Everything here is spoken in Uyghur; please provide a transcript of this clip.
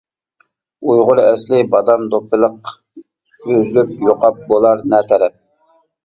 ئۇيغۇر ئەسلى بادام دوپپىلىق، ئۆزلۈك يوقاپ بولار نە تەرەپ؟ !